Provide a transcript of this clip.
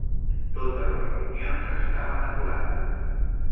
Totes les reunions estaven aturades...